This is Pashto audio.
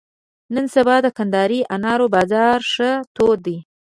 نن سبا د کندهاري انارو بازار ښه تود دی.